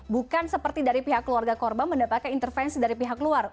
bukan seperti dari pihak keluarga korban mendapatkan intervensi dari pihak luar